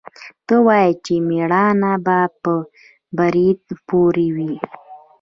ته وا چې مېړانه به په برېت پورې وي.